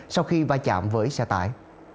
sau khi va chạm với xe tải